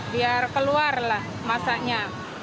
biar keluar lah masanya